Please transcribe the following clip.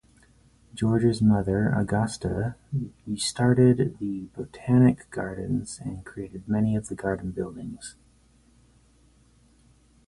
George's mother Augusta started the botanic gardens and created many of the garden buildings.